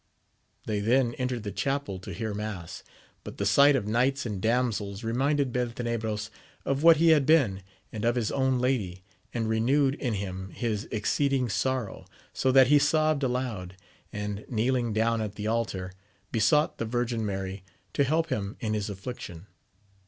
They then entered the chapel to hear mass ; but the sight of knights and damsels reminded Beltenebros of what he had been, and of his own lady, and renewed in him his exceeding sorrow, so that he sobbed aloud, and kneeling down at the altar, besought the Virgin Mary to help him in his affliction.